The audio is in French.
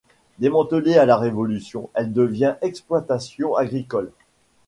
Démantelée à la Révolution, elle devient exploitation agricole.